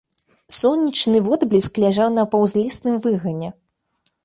Сонечны водбліск ляжаў на паўзлесным выгане.